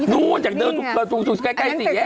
นู้นจากเดินใกล้สี่นี่ไง